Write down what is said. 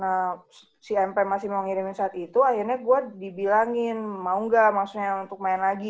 karena si mp masih mau ngirimin saat itu akhirnya gue dibilangin mau gak maksudnya untuk main lagi